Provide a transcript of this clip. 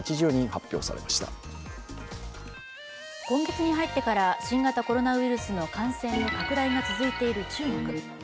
今月に入ってから新型コロナウイルスの感染の拡大が続いている中国。